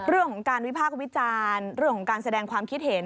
เรื่องของการวิพากษ์วิจารณ์เรื่องของการแสดงความคิดเห็น